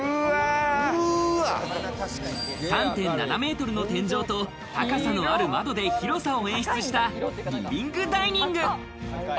３．７メートルの天井と高さのある窓で広さを演出した、リビングダイニング。